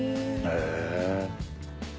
へえ。